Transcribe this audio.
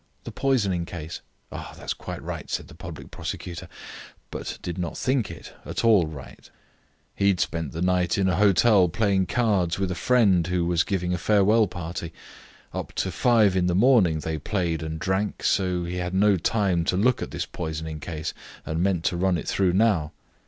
"The poisoning case." "That's quite right," said the public prosecutor, but did not think it at all right. He had spent the night in a hotel playing cards with a friend who was giving a farewell party. Up to five in the morning they played and drank, so he had no time to look at this poisoning case, and meant to run it through now.